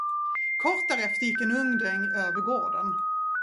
Kort därefter gick en ung dräng över gården.